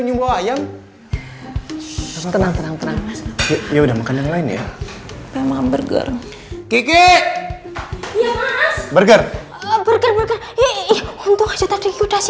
nyembawa ayam tenang tenang ya udah makan yang lain ya memang burger kiki burger burger